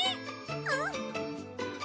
うん。